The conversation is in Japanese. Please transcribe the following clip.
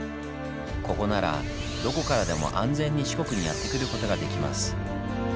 ここならどこからでも安全に四国にやって来ることができます。